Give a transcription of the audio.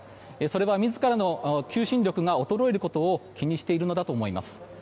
それは自らの求心力が衰えることを気にしているのだと思います。